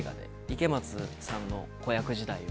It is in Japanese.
池松さんの子役時代。